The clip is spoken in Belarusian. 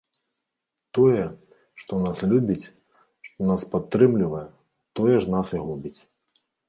Тое, што нас любіць, што нас падтрымлівае, тое ж нас і губіць.